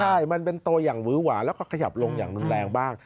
ใช่มันเป็นตัวอย่างวื้อหวานแล้วก็ขยับลงอย่างรุนแรงบ้าง